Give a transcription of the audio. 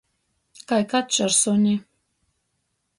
Kai kačs ar suni.